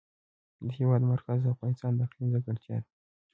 د هېواد مرکز د افغانستان د اقلیم ځانګړتیا ده.